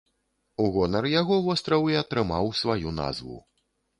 У гонар яго востраў і атрымаў сваю назву.